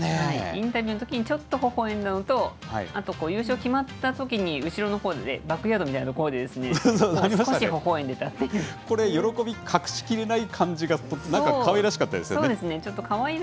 インタビューのときにちょっとほほえむのと、あと優勝決まったときに、後ろのほうで、バックヤードみたいな所で、少しほほえこれ、喜び隠し切れない感じが、なんかかわいらしかったですね。